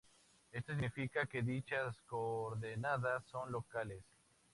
Esto significa que dichas coordenadas son locales.